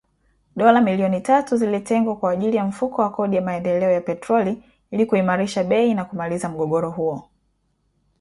Dola milioni tatu zilitengwa kwa ajili ya Mfuko wa Kodi ya Maendeleo ya Petroli ili kuimarisha bei na kumaliza mgogoro huo